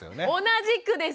同じくです。